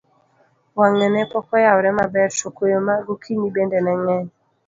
wang'e ne pok oyawre maber, to koyo ma gokinyi bende ne ng'eny